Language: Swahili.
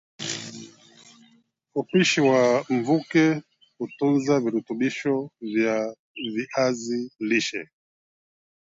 Upishi wa mvuke hutunza virutubisho vya viazi lishe